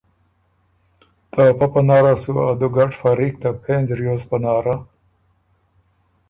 ته پۀ پناره سُو ا دُوګډ فریق ته پېنځ ریوز پناره